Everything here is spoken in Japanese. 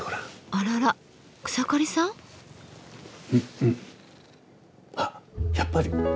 あらら草刈さん？あっやっぱり。